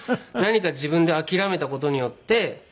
何か自分で諦めた事によって。